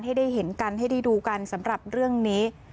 ให้ได้เห็นกันให้ได้ดูกันสำหรับเรื่องนี้